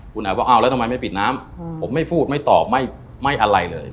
คุณแอบว่าอ้าวแล้วทำไมไม่ปิดน้ำผมไม่พูดไม่ตอบไม่อะไรเลย